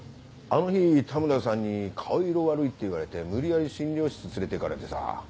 あの日田村さんに「顔色悪い」って言われて無理やり診療室連れてかれてさ。